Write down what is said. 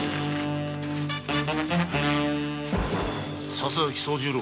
笹崎惣十郎！